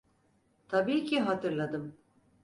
Tabii ki hatırladım.